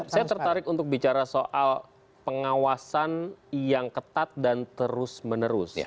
saya tertarik untuk bicara soal pengawasan yang ketat dan terus menerus